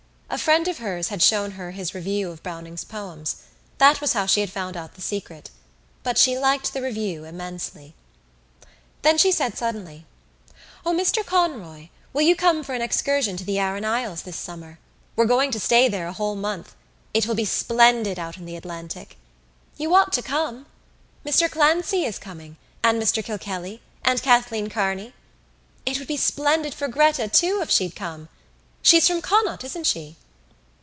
A friend of hers had shown her his review of Browning's poems. That was how she had found out the secret: but she liked the review immensely. Then she said suddenly: "O, Mr Conroy, will you come for an excursion to the Aran Isles this summer? We're going to stay there a whole month. It will be splendid out in the Atlantic. You ought to come. Mr Clancy is coming, and Mr Kilkelly and Kathleen Kearney. It would be splendid for Gretta too if she'd come. She's from Connacht, isn't she?"